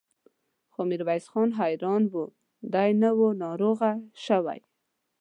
خو ميرويس خان حيران و، دی نه و ناروغه شوی.